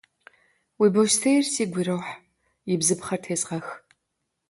Уи бостейр сигу ирохь, и бзыпхъэр тезгъэх.